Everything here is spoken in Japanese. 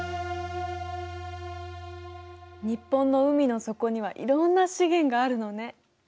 日本の海の底にはいろんな資源があるのね。